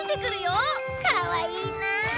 かわいいなあ。